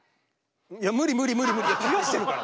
いや無理無理無理無理ケガしてるから。